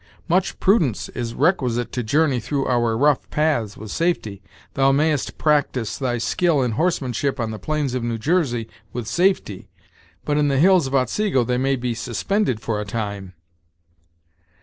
Much prudence is requisite to journey through our rough paths with safety. Thou mayst practise thy skill in horsemanship on the plains of New Jersey with safety; but in the hills of Otsego they may be suspended for a time."